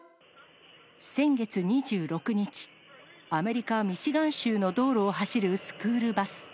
先月２６日、アメリカ・ミシガン州の道路を走るスクールバス。